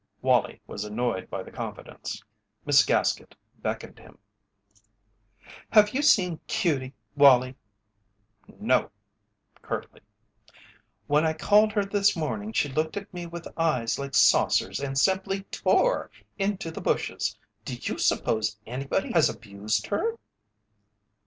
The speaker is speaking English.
Wallie was annoyed by the confidence. Miss Gaskett beckoned him. "Have you seen Cutie, Wallie?" "No," curtly. "When I called her this morning she looked at me with eyes like saucers and simply tore into the bushes. Do you suppose anybody has abused her?"